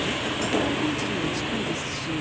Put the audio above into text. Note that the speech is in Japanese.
観光地にも近いですし。